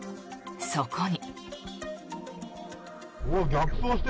そこに。